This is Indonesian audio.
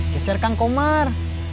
keser kang komar